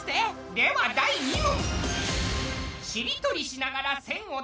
では第２問！